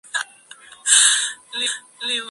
El liderazgo transaccional es principalmente pasivo.